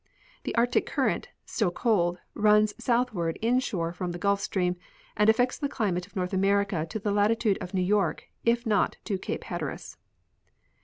The Arctic current, still cold, runs southward inshore from the Gulf stream, and affects the climate of North America to the latitude of New York if not to Cape Hatteras.